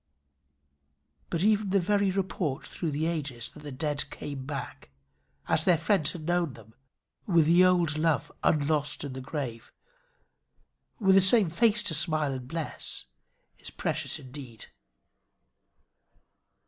But even the very report through the ages that the dead came back, as their friends had known them, with the old love unlost in the grave, with the same face to smile and bless, is precious indeed.